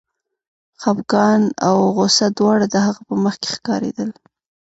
خپګان او غوسه دواړه د هغه په مخ کې ښکارېدل